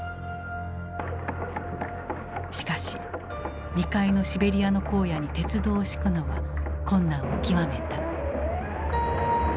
しかし未開のシベリアの荒野に鉄道を敷くのは困難を極めた。